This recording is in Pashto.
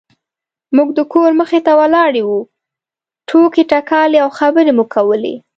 موږ د کور مخې ته ولاړې وو ټوکې ټکالې او خبرې مو کولې.